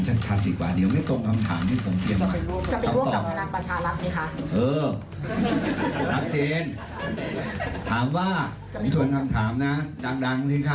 จะไปร่วมกับพักพลังประชารัฐไหมคะ